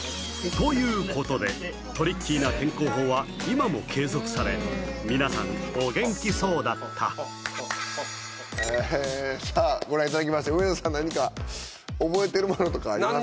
ということでトリッキーな健康法は今も継続され皆さんお元気そうだったへえさあご覧いただきました梅沢さん何か覚えてるものとかありますか？